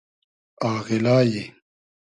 آغیلای